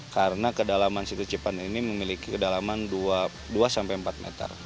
karena kedalaman situ cipanten ini memiliki kedalaman dua sampai empat meter